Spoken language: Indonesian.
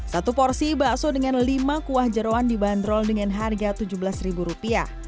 satu porsi bakso dengan lima kuah jerawan dibanderol dengan harga tujuh belas ribu rupiah